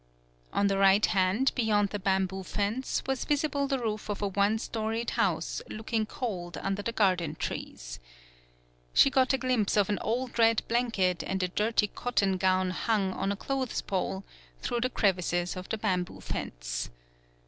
On the right hand, beyond the bam boo fence, was visible the roof of a one 97 PAULOWNIA storied house looking cold under the garden trees. She got a glimpse of an old red blanket and a dirty cotton gown hung on a clothes pole, through the crevices of the bamboo fence.